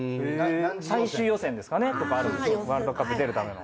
最終予選ですかねとかワールドカップ出るための。